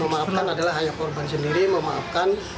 memaafkan adalah hanya korban sendiri memaafkan